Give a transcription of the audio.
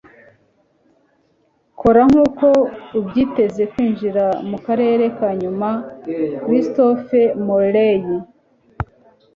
kora nkuko ubyiteze kwinjira mu karere ka nyuma. '- christopher morley